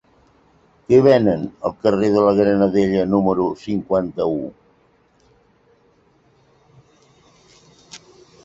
Què venen al carrer de la Granadella número cinquanta-u?